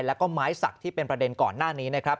แล้วก็ไม้สักที่เป็นประเด็นก่อนหน้านี้นะครับ